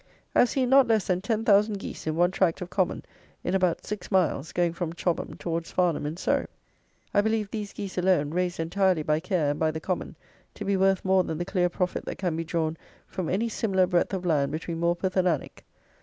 I have seen not less than ten thousand geese in one tract of common, in about six miles, going from Chobham towards Farnham in Surrey. I believe these geese alone, raised entirely by care and by the common, to be worth more than the clear profit that can be drawn from any similar breadth of land between Morpeth and Alnwick.